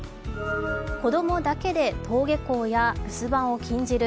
子供だけで登下校や留守番を禁じる